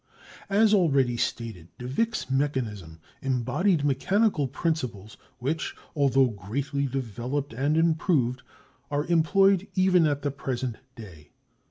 As already stated, de Vick's mechanism embodied mechanical principles which, although greatly developed and improved, are employed even at the present day.